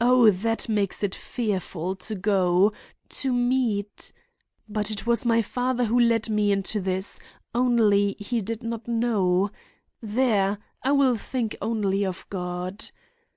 Oh, that makes it fearful to go—to meet— But it was my father who led me into this—only he did not know— There! I will think only of God.